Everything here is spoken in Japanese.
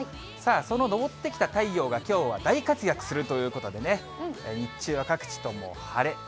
さあ、その昇ってきた太陽が、きょうは大活躍するということでね、日中は各地とも晴れ。